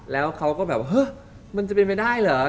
แล้วเขาก็แบบเฮ้ยมันจะเป็นไปได้เหรอ